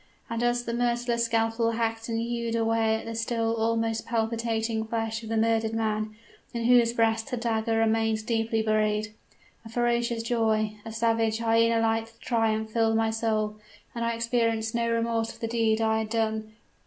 And as the merciless scalpel hacked and hewed away at the still almost palpitating flesh of the murdered man, in whose breast the dagger remained deeply buried, a ferocious joy a savage, hyena like triumph filled my soul; and I experienced no remorse for the deed I had done!